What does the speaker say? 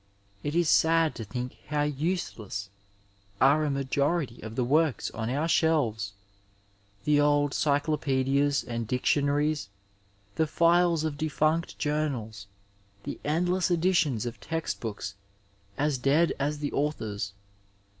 It is sad to think how useless are a majority of the works on our shelves — ^the old cyclopedias and dictionaries, the files of defunct journals, the endless editions of text books as dead as the authors.